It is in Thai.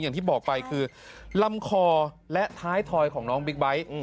อย่างที่บอกไปคือลำคอและท้ายทอยของน้องบิ๊กไบท์